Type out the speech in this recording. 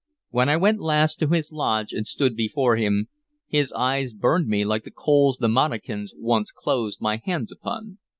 When I went last to his lodge and stood before him, his eyes burned me like the coals the Monacans once closed my hands upon.